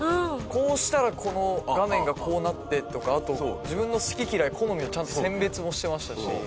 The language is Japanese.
こうしたらこの画面がこうなってとかあと、自分の好き嫌い、好みをちゃんと選別もしてましたし。